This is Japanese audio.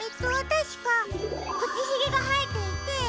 たしかくちひげがはえていて。